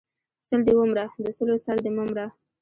سل دې و مره، د سلو سر دې مه مره!